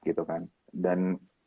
gitu kan dan